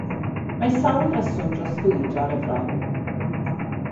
Mae sawl rheswm dros fwydo ar y fron.